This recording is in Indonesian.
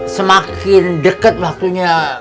semakin deket waktunya